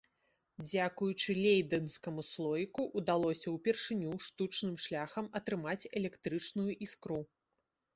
Дзякуючы лейдэнскаму слоіку ўдалося ўпершыню штучным шляхам атрымаць электрычную іскру.